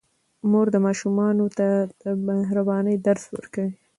مور ماشومانو ته د مهربانۍ درس ورکوي.